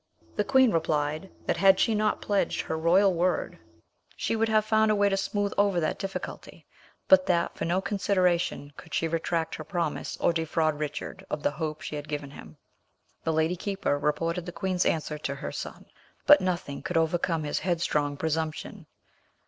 The queen replied that had she not pledged her royal word, she would have found a way to smooth over that difficulty, but that, for no consideration, could she retract her promise or defraud Richard of the hope she had given him. The lady keeper reported the queen's answer to her son, but nothing could overcome his headstrong presumption.